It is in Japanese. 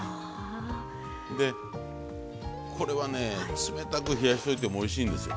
これはね冷たく冷やしといてもおいしいんですよ。